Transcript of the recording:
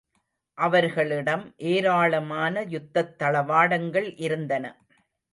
அவர்களிடம் ஏராளமான யுத்தத் தளவாடங்கள் இருந்தன.